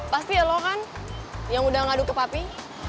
pasti ya lo kan yang udah ngaduk ke papi